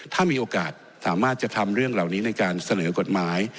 ถ้ามีโอกาสสามารถจะทำเรื่องเหล่านี้ในการเสนอกฎหมาย